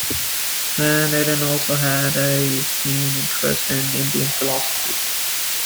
Van Eeden also had a keen interest in Indian philosophy.